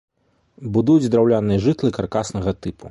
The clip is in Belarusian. Будуюць драўляныя жытлы каркаснага тыпу.